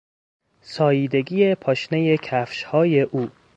ساییدگی پاشنهی کفشهای او